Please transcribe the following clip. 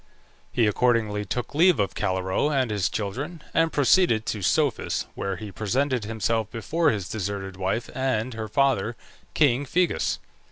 He accordingly took leave of Calirrhoe and his children, and proceeded to Psophis, where he presented himself before his deserted wife and her father, king Phegeus.